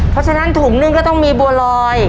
อย่างนั้นถุงนึงก็ต้องมีบัวรอย